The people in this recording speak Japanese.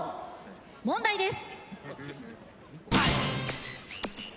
問題です。